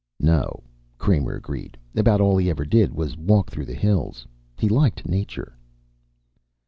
"No," Kramer, agreed. "About all he ever did was walk through the hills. He liked nature."